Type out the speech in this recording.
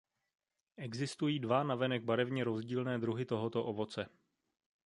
Existují dva navenek barevně rozdílné druhy tohoto ovoce.